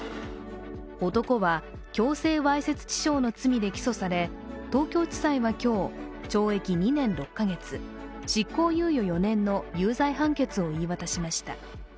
男は強制わいせつ致傷の罪で起訴され東京地裁は今日、懲役２年６か月、執行猶予４年の有罪判決を言い渡しました。